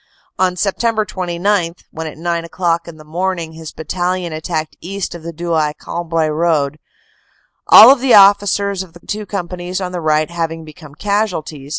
On Sept. 29, when at nine o clock in the morning his battalion attacked east of the Douai Cambrai road, all the officers of the two companies on the right having become casualties.